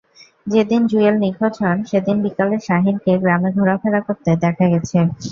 যেদিন জুয়েল নিখোঁজ হন, সেদিন বিকেলে শাহিনকে গ্রামে ঘোরাফেরা করতে দেখা গেছে।